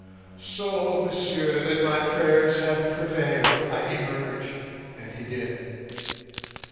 "So, monsieur, then my prayers have prevailed? I emerge," and he did.